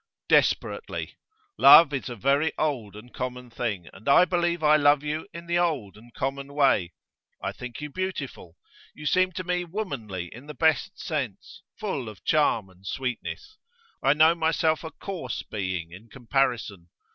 'Desperately. Love is a very old and common thing, and I believe I love you in the old and common way. I think you beautiful, you seem to me womanly in the best sense, full of charm and sweetness. I know myself a coarse being in comparison.